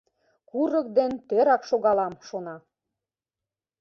«Курык ден тӧрак шогалам!» шона.